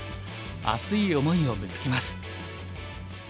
熱い想いをぶつけます。